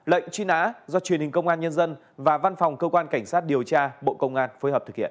lệnh truy nã do truyền hình công an nhân dân và văn phòng cơ quan cảnh sát điều tra bộ công an phối hợp thực hiện